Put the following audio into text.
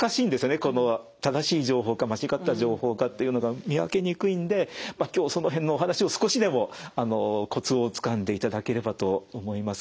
この正しい情報か間違った情報かっていうのが見分けにくいんで今日その辺のお話を少しでもコツをつかんでいただければと思います。